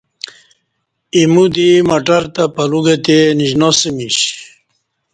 ایمو دی مٹر تہ پلو گتے نشناسمیش